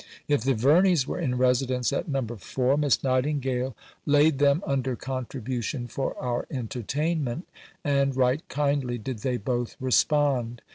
If the Verneys were in residence at No. 4, Miss Nightingale laid them under contribution for our entertainment, and right kindly did they both respond.